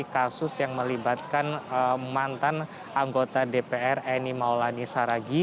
kasus yang melibatkan mantan anggota dpr eni maulani saragi